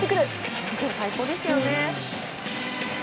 表情、最高ですよね。